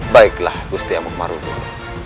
baiklah gusti amukmarugul